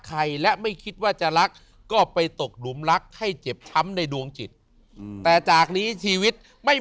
ใครและไม่คิดว่าจะรักก็ไปตกหลุมรักให้เจ็บช้ำในดวงจิตแต่จากนี้ชีวิตไม่มี